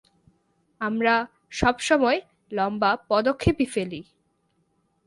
আমরা সবসময় লম্বা পদক্ষেপই ফেলি!